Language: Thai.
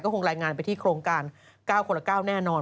คงรายงานไปที่โครงการ๙คนละ๙แน่นอน